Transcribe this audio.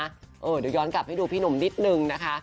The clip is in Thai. เดี๋ยวย้อนกลับให้ดูพี่หนุ่มนิดนึงนะคะ